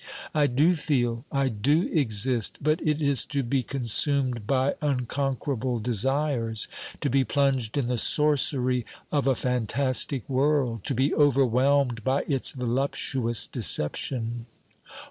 I do feel, I do exist, but it is to be consumed by unconquer able desires, to be plunged in the sorcery of a fantastic world, to be overwhelmed by its voluptuous deception.